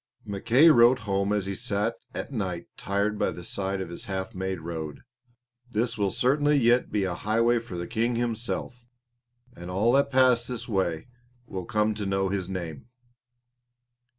Mackay wrote home as he sat at night tired by the side of his half made road, "This will certainly yet be a highway for the King Himself; and all that pass this way will come to know His Name."